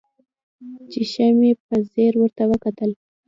چې ښه مې په ځير ورته وکتل.